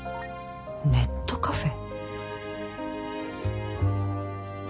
ネットカフェ？